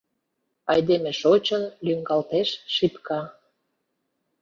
«Айдеме шочын — лӱҥгалтеш шипка...»